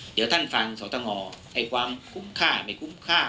เดี๋ยวท่านฟังสตงไอ้ความคุ้มค่าไม่คุ้มค่า